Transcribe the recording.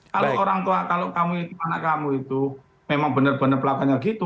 kalau orang tua kalau kamu itu anak kamu itu memang bener bener pelabahannya gitu